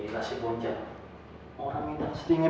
tunggu tante ina